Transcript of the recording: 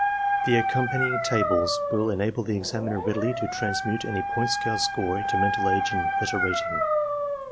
The accompanying tables will enable the examiner readily to transmute any point scale score into mental age and letter rating.